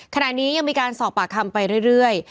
ขณะนี้ยังมีการสอบปากคำไปเรื่อย